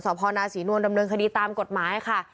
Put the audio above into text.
พนาศรีนวลดำเนินคดีตามกฎหมายค่ะ